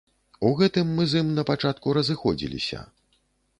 У гэтым мы з ім на пачатку разыходзіліся.